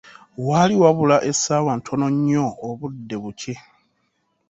Waali wabula essaawa ntono nnyo obudde bukye.